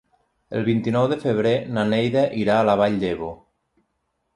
El vint-i-nou de febrer na Neida irà a la Vall d'Ebo.